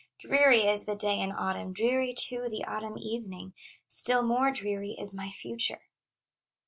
Dreary is the day in autumn, Dreary too the autumn evening, Still more dreary is my future!"